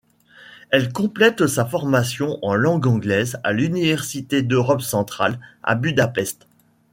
Elle complète sa formation en langue anglaise à l'Université d'Europe centrale, à Budapest.